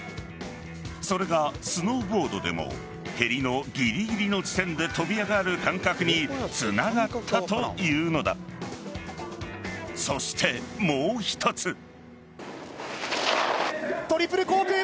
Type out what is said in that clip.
それがスノーボードでもへりのぎりぎりの地点で跳び上がる感覚につながったというのがそしてもう一つ。